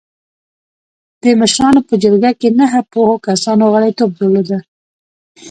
د مشرانو په جرګه کې نهه پوهو کسانو غړیتوب درلوده.